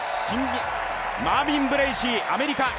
マービン・ブレーシー、アメリカ。